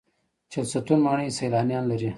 چهلستون ماڼۍ سیلانیان لري